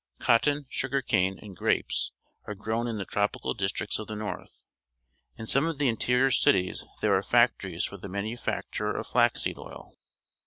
Cot ton, suga r cane, and grapes are grown in the tropical districts of the north. In some of the interior cities there are factories for the manufacture of flax seed oil.